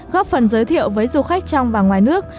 góp phần giới thiệu với du khách trong và ngoài nước